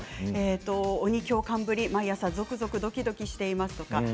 鬼教官ぶり、毎朝ぞくぞくドキドキしています。